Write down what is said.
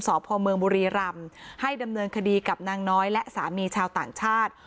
สพเมืองบุรีรำให้ดำเนินคดีกับนางน้อยและสามีชาวต่างชาติ